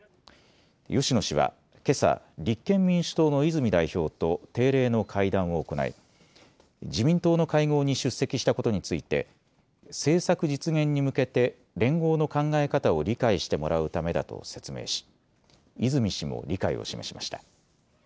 芳野氏はけさ、立憲民主党の泉代表と定例の会談を行い自民党の会合に出席したことについて政策実現に向けて連合の考え方を理解してもらうためだと説明し泉氏も理解を示しました。